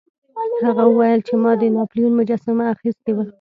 هغه وویل چې ما د ناپلیون مجسمه اخیستې وه.